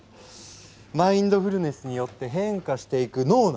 マインドフルネスによって変化していく脳内